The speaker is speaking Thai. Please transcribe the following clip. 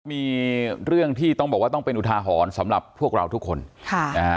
มีเรื่องที่ต้องบอกว่าต้องเป็นอุทาหรณ์สำหรับพวกเราทุกคนค่ะนะฮะ